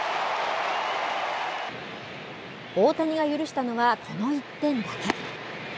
大谷が許したのはこの１点だけ。